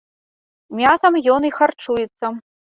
Мясам ён і харчуецца.